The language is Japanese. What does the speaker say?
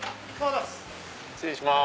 失礼します